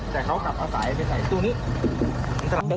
แต่เขาก็เอาไฟฟ้าฝั่งไปใส่ตู้นี้